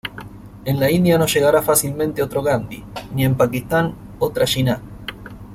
En la India no llegará fácilmente otro Gandhi, ni en Pakistán otra Jinnah".